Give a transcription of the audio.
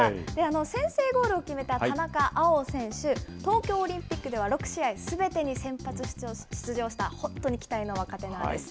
先制ゴールを決めた田中碧選手、東京オリンピックでは６試合すべてに先発出場した、本当に期待の若手なんです。